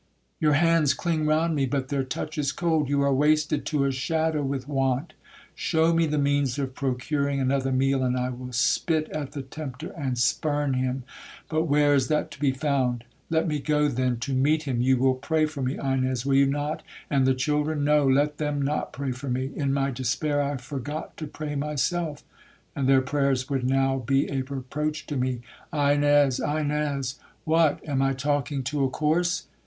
Your hands cling round me, but their touch is cold!—You are wasted to a shadow with want! Shew me the means of procuring another meal, and I will spit at the tempter, and spurn him!—But where is that to be found?—Let me go, then, to meet him!—You will pray for me, Ines,—will you not?—and the children?—No, let them not pray for me!—in my despair I forgot to pray myself, and their prayers would now be a reproach to me.—Ines!—Ines!—What? am I talking to a corse?'